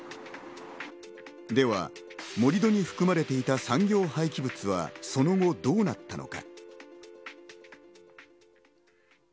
では盛り土に含まれていた産業廃棄物は、その後どうなったのか。